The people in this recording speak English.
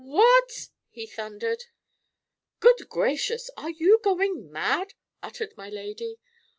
"What?" he thundered. "Good gracious! are you going mad?" uttered my lady.